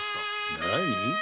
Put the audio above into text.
何？